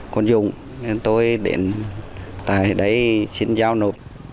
còn dùng tôi đến tại đấy xin giao nổ